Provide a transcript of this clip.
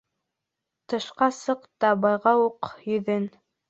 Тышка сыҡ та байҡа күк йөҙөн.